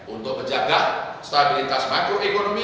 untuk menjaga stabilitas makroekonomi